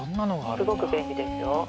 すごく便利ですよ。